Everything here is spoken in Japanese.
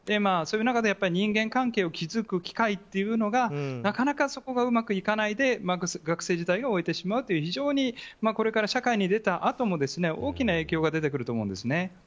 そういう中で人間関係を築く機会というのがなかなかそこがうまくいかないで学生時代を終えてしまうというこれから社会に出たあとも大きな影響が出てくると思うんですね。